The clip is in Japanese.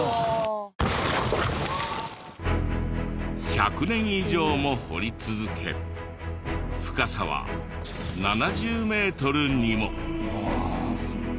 １００年以上も掘り続け深さは７０メートルにも。